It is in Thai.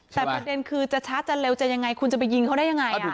แต่ประเด็นคือจะช้าจะเร็วจะยังไงคุณจะไปยิงเขาได้ยังไง